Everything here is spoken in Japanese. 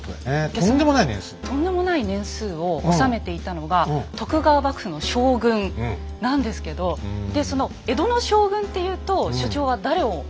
とんでもない年数を治めていたのが徳川幕府の将軍なんですけどでその江戸の将軍っていうと所長は誰を思い浮かべますか真っ先に。